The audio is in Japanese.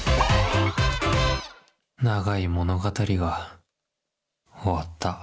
長い物語は、終わった。